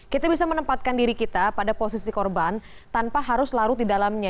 kita bisa menempatkan diri kita pada posisi korban tanpa harus larut di dalamnya